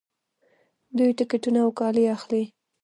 دوی ټکټونه او کالي اخلي.